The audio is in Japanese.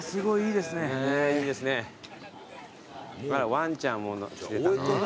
ワンちゃんも来てたの？